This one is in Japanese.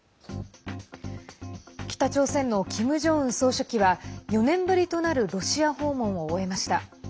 北朝鮮のキム・ジョンウン総書記は４年ぶりとなるロシア訪問を終えました。